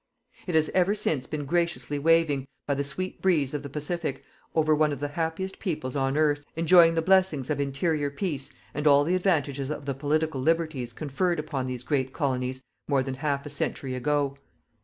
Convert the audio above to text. It has ever since been graciously waving, by the sweet breeze of the Pacific, over one of the happiest peoples on earth, enjoying the blessings of interior peace and all the advantages of the political liberties conferred upon these great colonies, more than half a century ago.